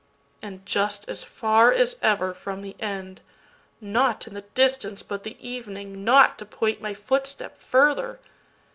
And just as far as ever from the end, Nought in the distance but the evening, noughtTo point my footstep further!